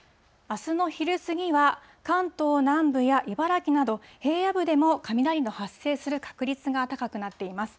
あすの昼過ぎは、関東南部や茨城など、平野部でも雷の発生する確率が高くなっています。